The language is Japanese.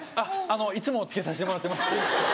いつもつけさせてもらってます